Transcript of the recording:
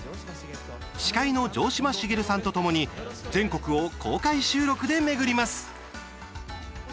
司会の城島茂さんとともに全国を公開収録で巡ります。